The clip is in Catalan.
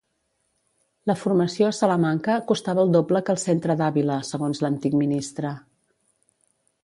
La formació a Salamanca costava el doble que al centre d'Àvila, segons l'antic ministre.